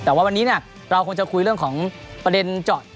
แต่ว่าวันนี้เนี่ยเราคงจะคุยเรื่องของประเด็นเจาะ